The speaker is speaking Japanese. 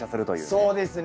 そうですね。